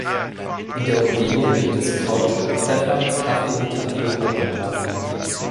In der Umgebung gibt es Kautschuk-, Pfeffer-, Kaffee- und Tapiokaplantagen.